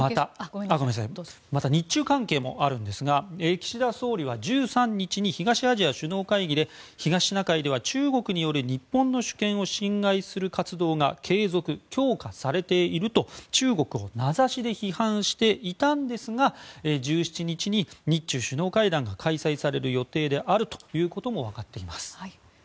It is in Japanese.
また、日中関係もあるんですが岸田総理は１３日に東アジア首脳会議で東シナ海では中国による日本の主権を侵害する活動が継続・強化されていると中国を名指しで批判していたんですが１７日に日中首脳会談が開催される予定であることもわかっています。